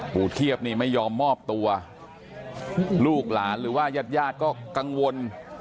ปู่เทียบนี่ไม่ยอมมอบตัวลูกหลานหรือว่ายาดก็กังวล